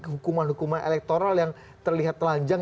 hukuman hukuman elektoral yang terlihat telanjang